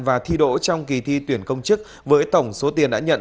và thi đỗ trong kỳ thi tuyển công chức với tổng số tiền đã nhận